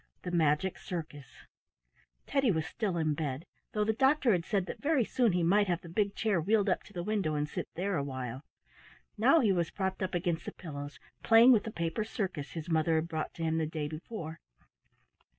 THE MAGIC CIRCUS Teddy was still in bed, though the doctor had said that very soon he might have the big chair wheeled up to the window and sit there awhile. Now he was propped up against the pillows playing with the paper circus his mother had brought to him the day before.